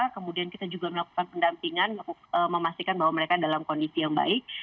kemudian kita juga melakukan pendampingan memastikan bahwa mereka dalam kondisi yang baik